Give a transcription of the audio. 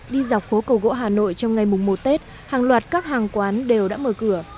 đi dọc phố cầu gỗ hà nội trong ngày mùng một tết hàng loạt các hàng quán đều đã mở cửa